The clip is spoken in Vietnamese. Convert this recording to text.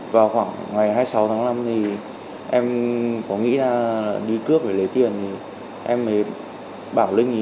vào khoảng ngày hai mươi sáu tháng năm thì em có nghĩ là đi cướp phải lấy tiền thì em mới bảo linh